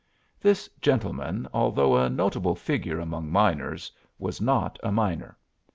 This gentleman, although a notable figure among miners, was not a miner.